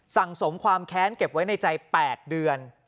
สมความแค้นเก็บไว้ในใจ๘เดือน